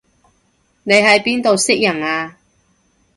你喺邊度識人啊